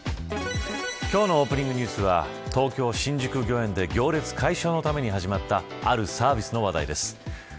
今日のオープニングニュースは東京、新宿御苑で行列解消のために始まったあるサービスの話題です。